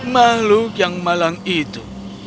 makhluk yang malang itu